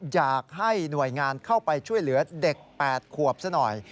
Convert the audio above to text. อยากให้หน่วยงานเข้าไปช่วยเหลือเด็ก๘ขวบซะหน่อย